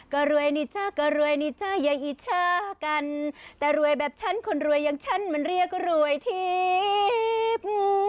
ก็รวยนี่จ๊ะก็รวยนี่จ้าอย่าอิจฉากันแต่รวยแบบฉันคนรวยอย่างฉันมันเรียกรวยทิพย์